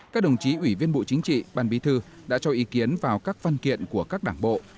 các đồng chí ủy viên bộ chính trị ban bí thư đã cho ý kiến vào các văn kiện của các đảng bộ